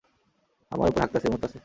আমার উপর হাগতাছে, মুততাছে!